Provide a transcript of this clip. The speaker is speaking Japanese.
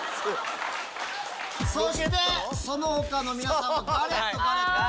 そしてその他の皆さんはガレット。